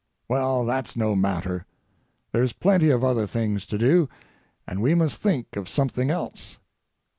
Well, that's no matter—there's plenty of other things to do, and we must think of something else.